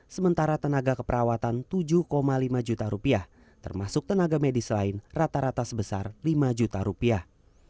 sementara tenaga keperawatan tujuh lima juta rupiah termasuk tenaga medis lain rata rata sebesar lima juta rupiah